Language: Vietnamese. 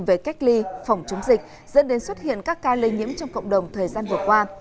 về cách ly phòng chống dịch dẫn đến xuất hiện các ca lây nhiễm trong cộng đồng thời gian vừa qua